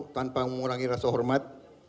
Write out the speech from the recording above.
tanpa mengurangi rasa hormat